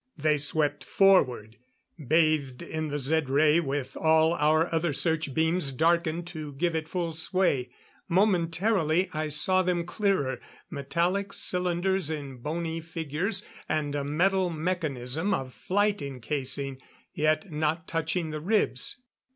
They swept forward, bathed in the Zed ray with all our other search beams darkened to give it full sway. Momentarily I saw them clearer; metallic cylinders in bony fingers, and a metal mechanism of flight encasing, yet not touching the ribs.